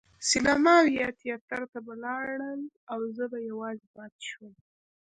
سینما او یا تیاتر ته به لاړل او زه به یوازې پاتې شوم.